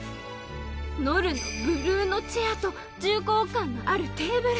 Ｋｎｏｌｌのブルーノチェアと重厚感のあるテーブル！